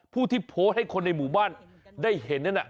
ผู้ที่โพสต์ให้คนในหมู่บ้านได้เห็นนั่นน่ะ